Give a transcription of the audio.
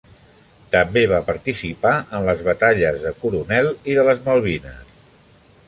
També va participar en les batalles de Coronel i de les Malvines.